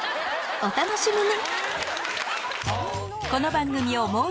お楽しみに！